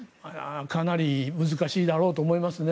かなり難しいだろうと思いますね。